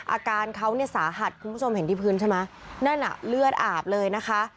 อาการเขาเนี่ยสาหัสคุณผู้ชมเห็นที่พื้นใช่ไหมนั่นอ่ะเลือดอาบเลยนะคะ